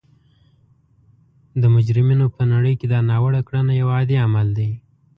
د مجرمینو په نړۍ کې دا ناوړه کړنه یو عادي عمل دی